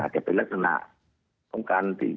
จะเป็นลักษณะของการ